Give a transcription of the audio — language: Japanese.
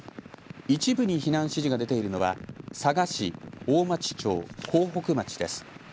一部に避難指示が出ているのは佐賀市、大町町、江北町です。